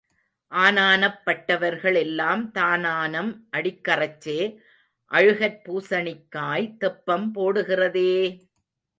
ஆனானப் பட்டவர்கள் எல்லாம் தானானம் அடிக்கறச்சே அழுகற் பூசணிக்காய் தெப்பம் போடுகிறதே!